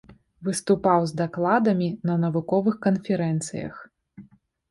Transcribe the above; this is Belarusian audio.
Выступаў з дакладамі на навуковых канферэнцыях.